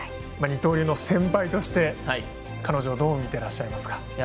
二刀流の先輩として彼女をどう見てらっしゃいますか。